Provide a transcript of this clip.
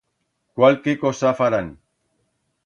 Cualque cosa farán.